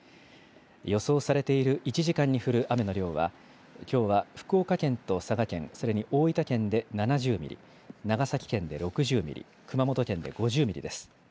予想されている１時間に降る雨の量は、きょうは福岡県と佐賀県、それに大分県で７０ミリ、長崎県で６０ミリ、熊本県で５０ミリです。